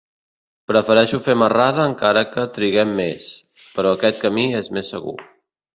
Prefereixo fer marrada encara que triguem més; però aquest camí és més segur.